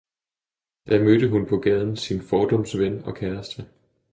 da mødte hun på gaden sin fordums ven og kæreste.